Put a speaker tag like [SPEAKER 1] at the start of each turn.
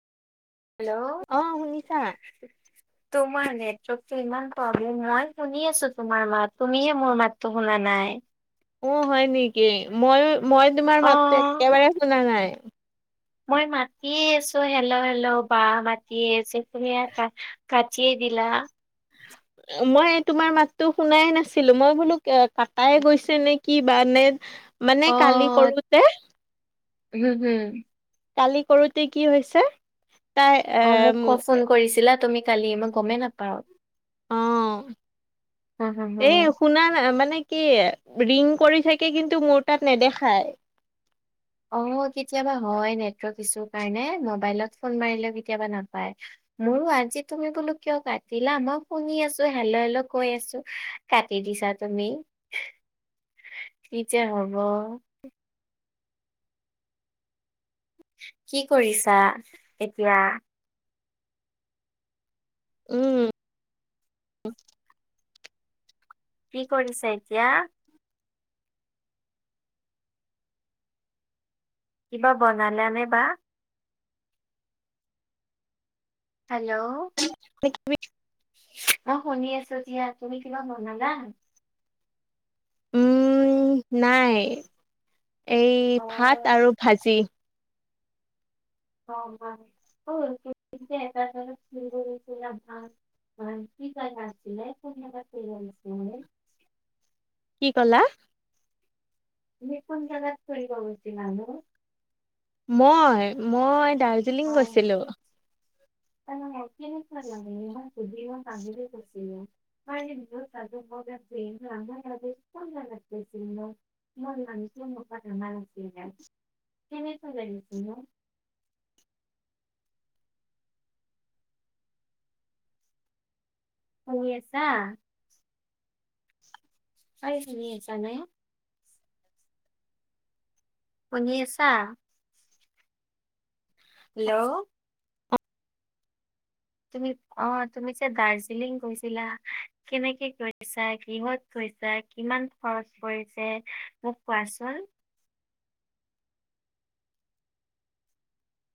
[SPEAKER 1] Hello.
[SPEAKER 2] অ শুনিছা
[SPEAKER 1] তোমাৰ নেটৱৰ্কটো ইমান প্ৰব্লেম, মই শুনি আছো তোমাৰ মাত তুমিহে মোৰ মাতটো শুনা নাই।
[SPEAKER 2] অহ হয় নেকি, মইয়ো মই তোমাৰ
[SPEAKER 1] অ
[SPEAKER 2] মাততো একেবাৰে শুনা নাই।
[SPEAKER 1] মই মাতিয়ে আছো হেল্ল' হেল্ল' বা মাতিয়ে আছো তুমি- কাটিয়ে দিলা।
[SPEAKER 2] মই তোমাৰ মাততো শুনাই নাছিলো, মই বোলো কাটায়ে গৈছে নে কি বা নে। মানে কালি কৰোতে।
[SPEAKER 1] হুম হুম।
[SPEAKER 2] কালি কৰোতে কি হৈছে? তাই এ
[SPEAKER 1] অহ মোক ক ফোন কৰিছিলা তুমি কালি, মই গমেই নাপাওঁ।
[SPEAKER 2] অঁ,
[SPEAKER 1] হম
[SPEAKER 2] এই শুনা মানে- কি ৰিং কৰি থাকে কিন্তু মোৰ তাত নেদেখায়।
[SPEAKER 1] অঁ, কেতিয়াবা হয় নেটৱৰ্ক ইছুৰ কাৰণে মবাইলত ফোন মাৰিলেও কেতিয়াবা নাপায়। মোৰো আজি তুমি বোলো কিয় কাটিলা মই শুনি আছো হেল্ল-হেল্ল কৈ আছোঁ। কাটি দিছা তুমি কি যে হ'ব। কি কৰিছা এতিয়া?
[SPEAKER 2] উমঁ।
[SPEAKER 1] কি কৰিছে এতিয়া? কিবা বনালে নে বা। হেল্ল'।
[SPEAKER 2] [unintelligible]
[SPEAKER 1] অঁ শুনি আছো দিয়া, তুমি কিবা বনালা?
[SPEAKER 2] উম নাই এই
[SPEAKER 1] অ
[SPEAKER 2] ভাত আৰু ভাজি।
[SPEAKER 1] [unintelligible] হয়, কি কাৰণে আছিলে [unintelligible]
[SPEAKER 2] কি কলা?
[SPEAKER 1] তুমি কোন জেগাত ফুৰিব গৈছিলা নো?
[SPEAKER 2] মই, মই-
[SPEAKER 1] হয়
[SPEAKER 2] গৈছিলো
[SPEAKER 1] কিনে [unintelligible] [unintelligible] [unintelligible] [unintelligible] কেনেকৈ লাগিল নু। পঢ়ি আছা। [unintelligible] শুনি আছা! হেল্ল' তুমি অঁ তুমি যে দাৰ্জিলিং গৈছিলা! কেনেকে কৰিছা, কিহত গৈছা, কিমান খৰচ পৰিছে মোক কোৱাচোন!